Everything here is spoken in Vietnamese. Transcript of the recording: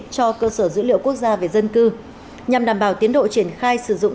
cho cơ sở dữ liệu quốc gia về dân cư nhằm đảm bảo tiến độ triển khai sử dụng